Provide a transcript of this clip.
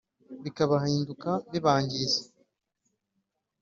bikabahinduka bibangiza